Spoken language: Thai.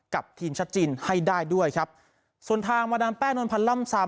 กับทีมชาติจีนให้ได้ด้วยครับส่วนทางมาดามแป้งนวลพันธ์ล่ำซาม